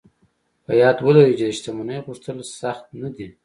په ياد ولرئ چې د شتمنۍ غوښتل سخت نه دي.